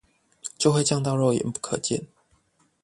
就會降到肉眼不可見